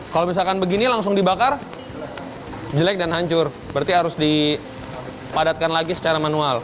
kalau misalkan begini langsung dibakar jelek dan hancur berarti harus dipadatkan lagi secara manual